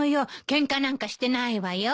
ケンカなんかしてないわよ。